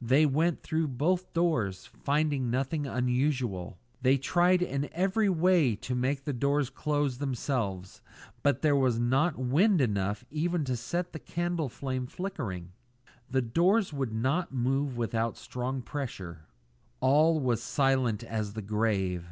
They went through both rooms, finding nothing unusual. They tried in every way to make the doors close of themselves, but there was not wind enough even to set the candle flame flickering. The doors would not move without strong pressure. All was silent as the grave.